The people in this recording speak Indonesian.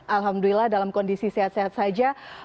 alhamdulillah dalam kondisi sehat sehat saja